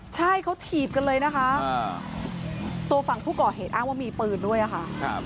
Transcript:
ใช่เขาถีบกันเลยนะคะตัวฝั่งผู้ก่อเหตุอ้างว่ามีปืนด้วยค่ะ